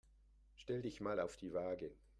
Stell dich mal auf die Waage.